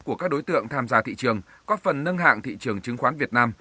của các đối tượng tham gia thị trường có phần nâng hạng thị trường chứng khoán việt nam